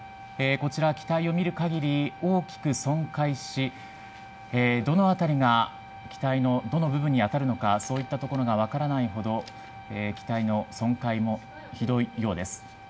こちら、機体を見るかぎり、大きく損壊し、どの辺りが機体のどの部分にそういったところが分からないほど機体の損壊もひどいようです。